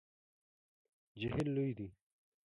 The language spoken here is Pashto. جهیل لوی دی